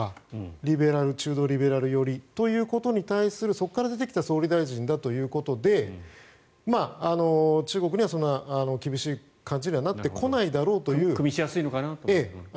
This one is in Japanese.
リベラル、中道リベラル寄りってことに対するそこから出てきた総理大臣だということで中国にはそんなに厳しい感じにはなってこないだろうという。